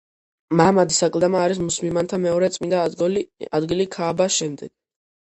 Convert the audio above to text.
მაჰმადის აკლდამა არის მუსლიმანთა მეორე წმინდა ადგილი ქააბას შემდეგ.